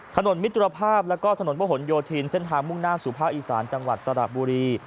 มิตรภาพแล้วก็ถนนพระหลโยธินเส้นทางมุ่งหน้าสู่ภาคอีสานจังหวัดสระบุรี